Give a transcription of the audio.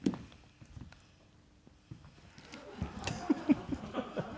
フフフフ。